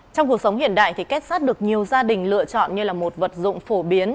trong cuộc sống hiện đại kết sát được nhiều gia đình lựa chọn như một vật dụng phổ biến